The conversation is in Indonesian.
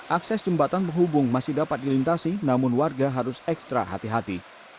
akses jembatan penghubung masih dapat dilintasi namun warga harus ekstra hati hati